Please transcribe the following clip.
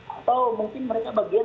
atau mungkin mereka bagian